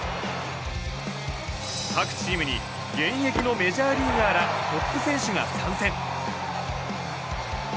各チームに現役のメジャーリーガーらトップ選手が参戦。